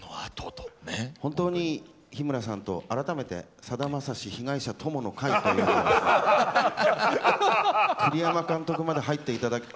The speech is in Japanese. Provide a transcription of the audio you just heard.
本当に日村さんと改めてさだまさし被害者友の会という栗山監督まで入っていただいて。